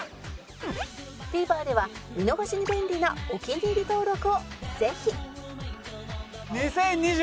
ＴＶｅｒ では見逃しに便利なお気に入り登録をぜひ！